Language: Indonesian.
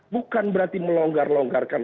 bukan berarti melonggar longgarkan